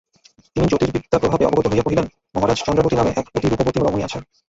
তিনি জ্যোতির্বিদ্যাপ্রভাবে অবগত হইয়া কহিলেন, মহারাজ চন্দ্রাবতী নামে এক অতিরূপবতী রমণী আছে।